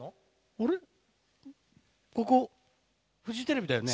あれここフジテレビだよね？